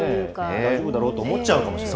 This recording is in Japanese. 大丈夫だろうと思っちゃうかもしれない。